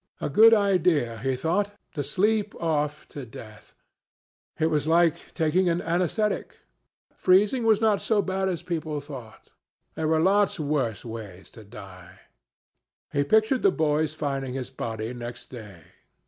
A good idea, he thought, to sleep off to death. It was like taking an anæsthetic. Freezing was not so bad as people thought. There were lots worse ways to die. He pictured the boys finding his body next day.